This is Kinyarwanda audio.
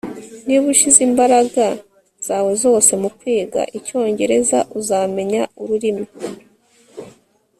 Niba ushize imbaraga zawe zose mukwiga icyongereza uzamenya ururimi